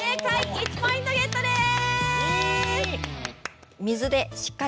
１ポイントゲットです。